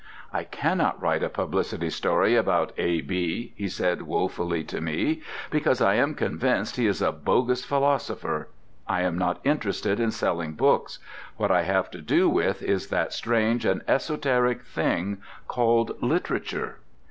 "I cannot write a publicity story about A.B," he said woefully to me, "because I am convinced he is a bogus philosopher. I am not interested in selling books: what I have to do with is that strange and esoteric thing called literature."